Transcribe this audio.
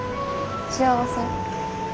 幸せ？